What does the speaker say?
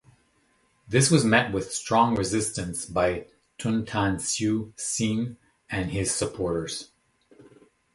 This was met with strong resistance by Tun Tan Siew Sin and his supporters.